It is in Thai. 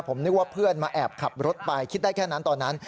ผมนึกว่าเพื่อนมาแอบขับรถไปคิดได้แค่นั้นตอนนั้น